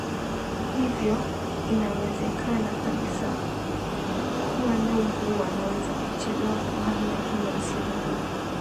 hivyo inawezekana kabisa kuwa Nyumbu wanaweza kuchelewa kuhamia Kenya msimu huu